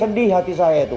sedih hati saya itu